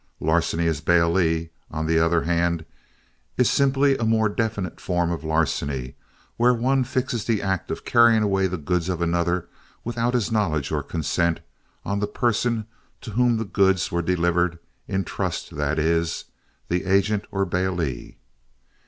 Larceny as bailee, on the other hand, is simply a more definite form of larceny wherein one fixes the act of carrying away the goods of another without his knowledge or consent on the person to whom the goods were delivered in trust that is, the agent or bailee.